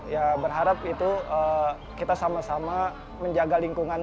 ya berharap itu kita sama sama menjaga lingkungan